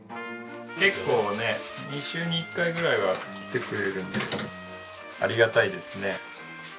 結構ね２週に１回ぐらいは来てくれるんでありがたいですね